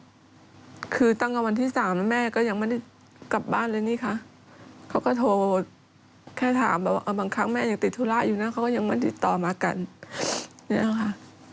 แล้วก็คือตั้งแต่วันที่๓แม่ก็ยังไม่ได้กลับบ้านเลยนี่คะเขาก็โทรแค่ถามว่าบางครั้งแม่ยังติดธุระอยู่นะเขาก็ยังไม่ติดต่อมากันอย่างนั้นค่ะ